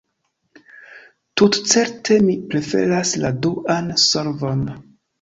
Tutcerte mi preferas la duan solvon.